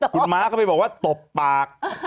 คุณม้าก็ไปบอกว่าตบปาก